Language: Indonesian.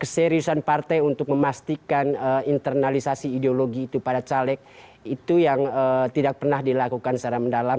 keseriusan partai untuk memastikan internalisasi ideologi itu pada caleg itu yang tidak pernah dilakukan secara mendalam